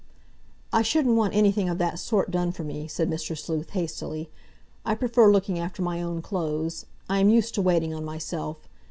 "I shouldn't want anything of that sort done for me," said Mr. Sleuth hastily. "I prefer looking after my own clothes. I am used to waiting on myself.